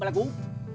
ayo sudah pergi